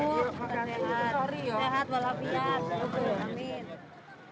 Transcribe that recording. sehat sehat walau biasa